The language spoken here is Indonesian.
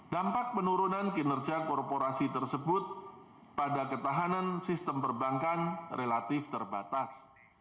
dampak penurunan kinerja korporasi tersebut pada ketahanan sistem perbankan relatif terbatas